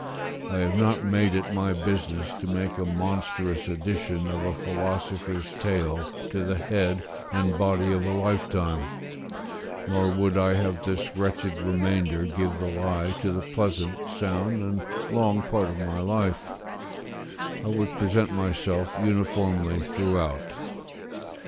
I have not made it my business to make a monstrous addition of a philosopher's tail to the head and body of a libertine; nor would I have this wretched remainder give the lie to the pleasant, sound, and long part of my life: I would present myself uniformly throughout.